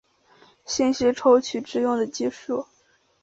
信息抽取之用的技术。